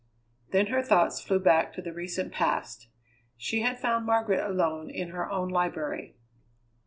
Then her thoughts flew back to the recent past. She had found Margaret alone in her own library.